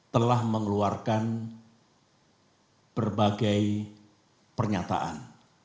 telah mengeluarkan berbagai pernyataan